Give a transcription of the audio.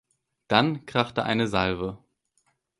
Dann krachte eine Salve.